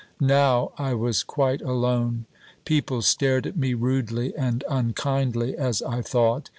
Now I was quite alone. People stared at me rudely and unkindly, as I thought.